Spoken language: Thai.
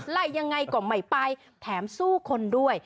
ไล่ยังไงก่อใหม่ไปแถมสู้คนด้วย